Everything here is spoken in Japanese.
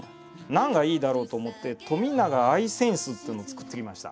何がいいだろうと思ってっていうのを作ってきました。